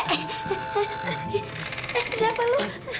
eh siapa lo